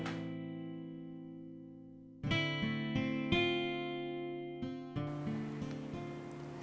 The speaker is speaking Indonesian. daerah di mount xiang